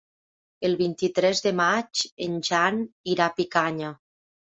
El vint-i-tres de maig en Jan irà a Picanya.